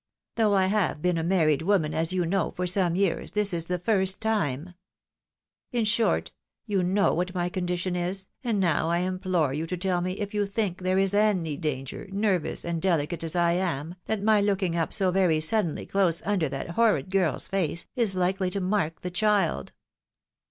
Though I have been a married woman, as you know, for some years, this is the first time . In short, you know what my condition is, and now I implore you to tell me if you think there is any danger, nervous and deUoate as I am, that my looking up so very suddenly close under that horrid girl's face, is hkely to mark the chUd."